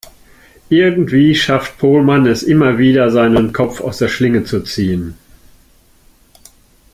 Irgendwie schafft Pohlmann es immer wieder, seinen Kopf aus der Schlinge zu ziehen.